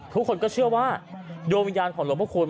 ทุกคนก็เชื่อว่าดวงวิญญาณของหลวงพระคุณ